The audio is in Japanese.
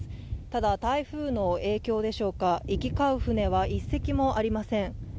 ただ、台風の影響でしょうか行き交う船は１隻もありません。